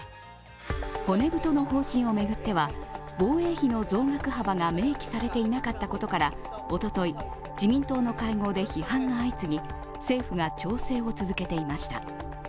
骨太の方針を巡っては防衛費の増額幅が明記されていなかったことからおととい、自民党の会合で批判が相次ぎ政府が調整を続けていました。